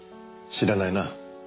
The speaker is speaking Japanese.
知らないな。